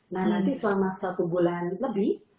nah nanti selama satu bulan lebih